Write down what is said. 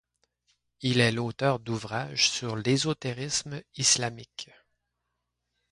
Il est l'auteur d'ouvrages sur l'ésotérisme islamique.